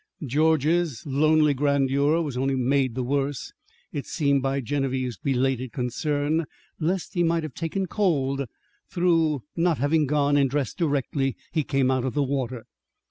George's lonely grandeur was only made the worse, it seemed, by Genevieve's belated concern lest he might have taken cold through not having gone and dressed directly he came out of the water.